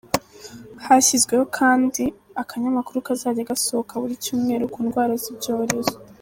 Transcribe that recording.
Hashyizweho kandi akanyamakuru kazajya gasohoka buri cyumweru ku ndwara z’ibyorezo.